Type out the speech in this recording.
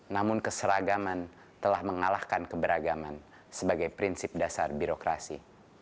namun keseragaman telah mengalahkan keberagaman sebagai prinsip dasar birokrasi